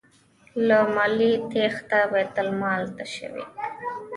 له مالیې تیښته بیت المال تشوي.